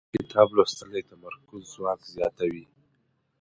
کتاب لوستل د تمرکز ځواک زیاتوي